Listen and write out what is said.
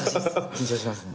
緊張しますね。